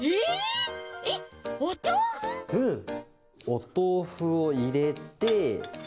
おとうふをいれて。